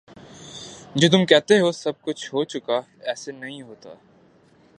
جو تم کہتے ہو سب کچھ ہو چکا ایسے نہیں ہوتا